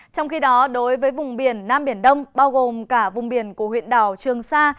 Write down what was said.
trong khi đó đối với vùng biển nam biển đông bao gồm cả vùng biển của huyện đảo trường sa